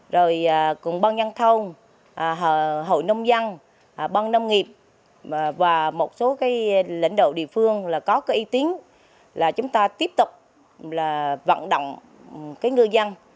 rồi cùng ban nhân thông hội nông dân ban nông nghiệp và một số lãnh đạo địa phương có ý tính là chúng ta tiếp tục vận động ngư dân